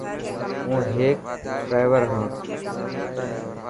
هون هيڪ ڊرائور هان.